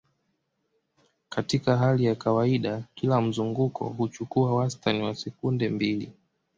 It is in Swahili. Katika hali ya kawaida, kila mzunguko huchukua wastani wa sekunde mbili.